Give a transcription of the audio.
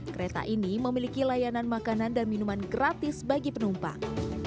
kereta ini memiliki layanan makanan dan minuman gratis bagi penumpang